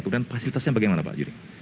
kemudian fasilitasnya bagaimana pak juri